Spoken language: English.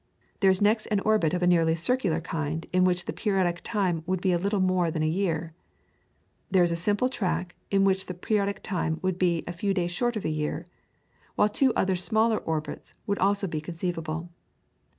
There is next an orbit of a nearly circular kind in which the periodic time would be a little more than a year. There is a similar track in which the periodic time would be a few days short of a year, while two other smaller orbits would also be conceivable.